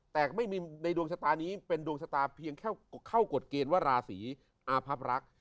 แต่ก็ไม่มีในดวงชะตานี้เป็นดวงชะตาเพียงแค่เข้ากฎเกณฑ์ว่าราศีอาพับรัก